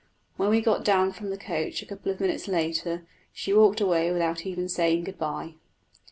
When we got down from the coach a couple of minutes later, she walked away without even saying good bye.